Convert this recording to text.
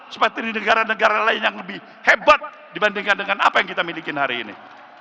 seperti di negara negara lain yang lebih hebat dibandingkan dengan apa yang kita miliki hari ini